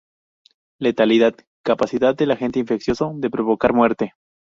Letalidad: Capacidad del agente infeccioso de provocar muerte.